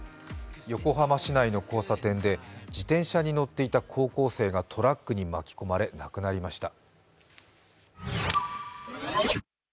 横浜市内の交差点で自転車に乗っていた高校生がトラックに巻き込まれ亡くなりました。